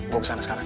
gue kesana sekarang